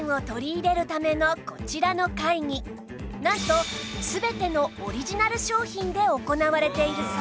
なんと全てのオリジナル商品で行われているそう